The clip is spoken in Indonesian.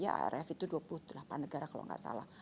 arf itu dua puluh delapan negara kalau tidak salah